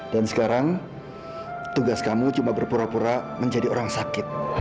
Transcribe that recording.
dan sekarang tugas kamu cuma berpura pura menjadi orang sakit